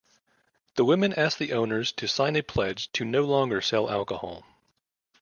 The women asked the owners to sign a pledge to no longer sell alcohol.